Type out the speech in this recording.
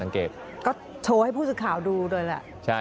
ก็โชว์ให้ผู้สื่อข่าวดูด้วยแหละ